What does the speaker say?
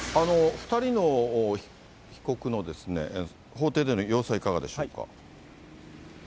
２人の被告の、法廷での様子はいかがでしょうか。